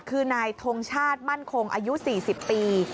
คือนายทงชาติมั่นคงอายุ๔๐ปี